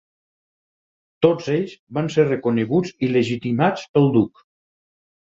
Tots ells van ser reconeguts i legitimats pel duc.